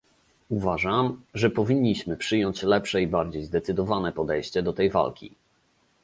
Uważam, że powinniśmy przyjąć lepsze i bardziej zdecydowane podejście do tej walki